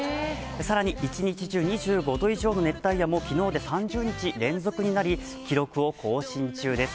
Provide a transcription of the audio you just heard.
更に一日中、２５度以上の熱帯夜も昨日も３０日連続になり記録を更新中です。